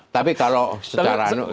tapi kalau secara